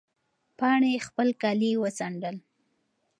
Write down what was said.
پاڼې خپل کالي وڅنډل.